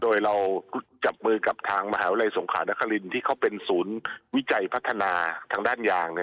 โดยเราจับมือกับทางมหาวิทยาลัยสงขานครินที่เขาเป็นศูนย์วิจัยพัฒนาทางด้านยาง